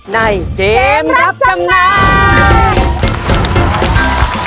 ในเกมรับจำนำ